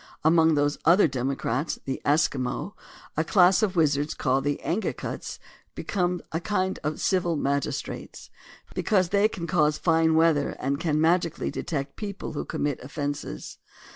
Among those other democrats, the Eskimo, a class of wizards, called Angakuts, become "a kind of civil magis trates " because they can cause fine weather, and can magically detect people who commit ojffences.